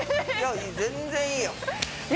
全然いいよ！